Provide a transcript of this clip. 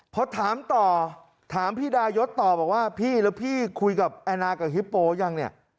พอถามต่อถามพี่ดายศต่อบอกว่าพี่แล้วพี่คุยกับแอนนากับฮิปโปยังเนี่ย